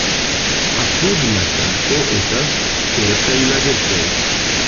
Apud la strato estas kelkaj lagetoj.